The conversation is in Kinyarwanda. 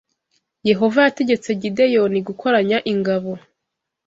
Yehova yategetse Gideyoni gukoranya ingabo